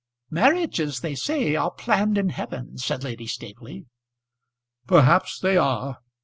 "Marriages, they say, are planned in heaven," said Lady Staveley. "Perhaps they are.